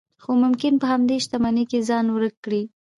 خو ممکن په همدې شتمنۍ کې ځان ورک کړئ.